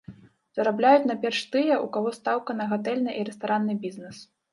Зарабляюць найперш тыя, у каго стаўка на гатэльны і рэстаранны бізнес.